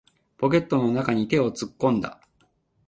ポケットの中に手を突っ込んだ。